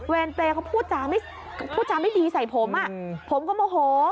เปรย์เขาพูดจาไม่ดีใส่ผมผมก็โมโห